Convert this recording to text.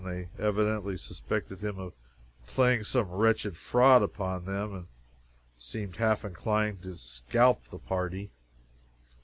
They evidently suspected him of playing some wretched fraud upon them, and seemed half inclined to scalp the party.